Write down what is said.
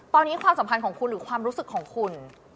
ตอนนี้ความสัมพันธ์ของคุณหรือความรู้สึกของคุณ